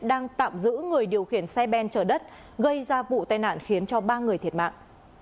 đang tạm giữ người điều khiển xe ben chở đất gây ra vụ tai nạn khiến cho ba người thiệt mạng